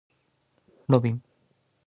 ロビン